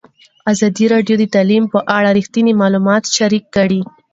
ازادي راډیو د تعلیم په اړه رښتیني معلومات شریک کړي.